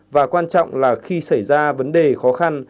và quan trọng là khi xảy ra vấn đề khó khăn